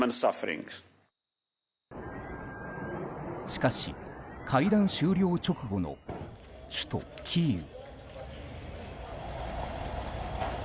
しかし、会談終了直後の首都キーウ。